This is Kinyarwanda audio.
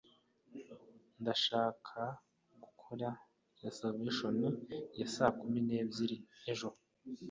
Ndashaka gukora reservation ya saa kumi n'ebyiri. ejo.